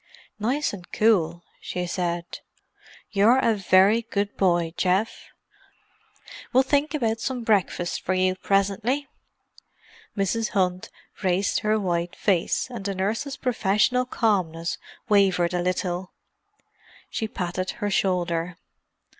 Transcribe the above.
"Nice and cool," she said. "You're a very good boy, Geoff; we'll think about some breakfast for you presently." Mrs. Hunt raised her white face, and the nurse's professional calmness wavered a little. She patted her shoulder.